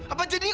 apa keju tanpa